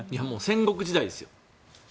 戦国時代ですよ。